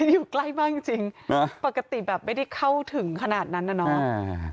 อยู่ใกล้มากจริงปกติแบบไม่ได้เข้าถึงขนาดนั้นน่ะเนาะ